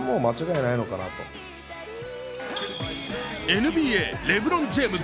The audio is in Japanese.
ＮＢＡ、レブロン・ジェームズ。